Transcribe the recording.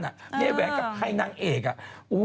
แหงแวงกับใครนางเอกอ่ะ